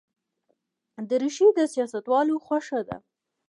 دریشي د سیاستوالو خوښه ده.